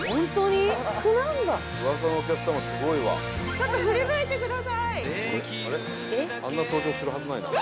ちょっと振り向いてください。